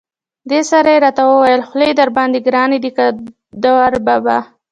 دې سره یې را ته وویل: خولي درباندې ګران دی که دوربابا.